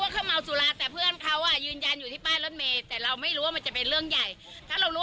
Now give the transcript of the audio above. กูไม่สนุกกับมึงเมื่อวานไม่มีคนจะเดินตลาด